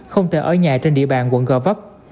không tự ở nhà trên địa bàn quận gò vấp